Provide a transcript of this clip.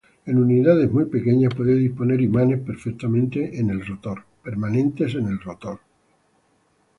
En unidades muy pequeñas, puede disponer imanes permanentes en el rotor.